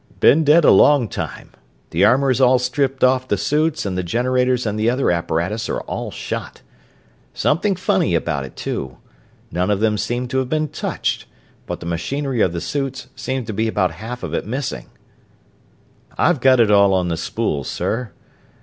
"Been dead a long time. The armor is all stripped off the suits, and the generators and the other apparatus are all shot. Something funny about it, too none of them seem to have been touched, but the machinery of the suits seems to be about half of it missing." "I've got it all on the spools, sir."